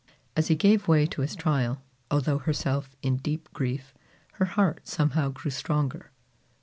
As he gave way to his trial, although herself in deep grief, her heart somehow grew stronger.